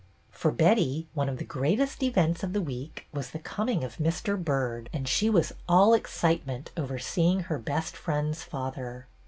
For Betty, one of the greatest events of HER COMMENCEMENT 273 the week was the coming of Mr. Byrd, and she was all excitement over seeing her best friend's father.